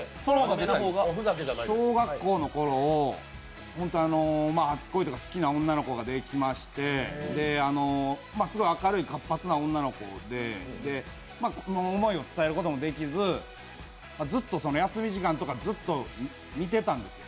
小学校のころ、本当あの初恋というか好きな女の子ができましてすごい明るい活発な女の子で、思いを伝えることもできず、休み時間とかずっと見てたんです。